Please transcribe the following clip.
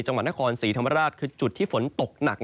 จังหวัดนครศรีธรรมราชคือจุดที่ฝนตกหนัก